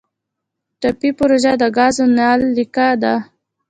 ټاپي پروژه د ګازو نل لیکه ده